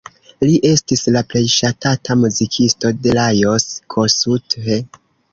Li estis la plej ŝatata muzikisto de Lajos Kossuth.